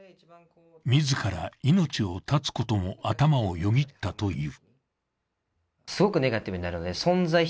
自ら命を絶つことも頭をよぎったという。